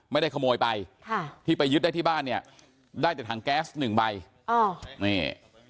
ไม่ได้ขโมยไปค่ะที่ไปยึดได้ที่บ้านเนี่ยได้แต่ถังแก๊สหนึ่งใบอ๋อนี่